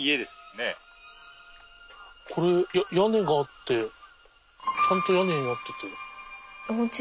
これ屋根があってちゃんと屋根になってて。